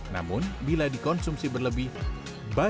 namun bila dikonsumsi berlebih tidak akan bisa dikonsumsi di tengah cuaca panas